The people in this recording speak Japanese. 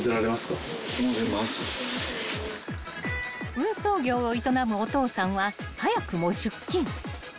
［運送業を営むお父さんは早くも出勤］